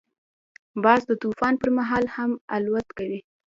باز د طوفان پر مهال هم الوت کوي